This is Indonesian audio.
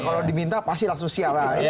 kalau diminta pastilah sosial